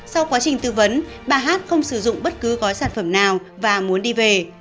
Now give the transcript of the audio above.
sau quá trình tư vấn bà hát không sử dụng bất cứ gói sản phẩm nào và muốn đi về